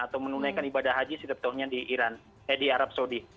atau menunaikan ibadah hajj setiap tahunnya di iran eh di arab saudi